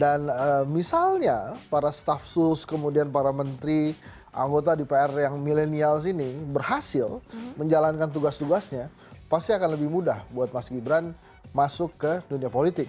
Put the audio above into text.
dan misalnya para staff khusus kemudian para menteri anggota dpr yang milenials ini berhasil menjalankan tugas tugasnya pasti akan lebih mudah buat mas gibran masuk ke dunia politik